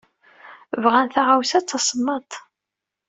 Bɣan taɣawsa d tasemmaḍt.